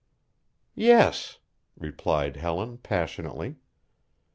"Yes," replied Helen, passionately.